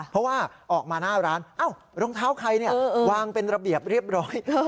เพราะว่าออกมาหน้าร้านรองเท้าใครเนี่ยวางเป็นระเบียบเรียบร้อย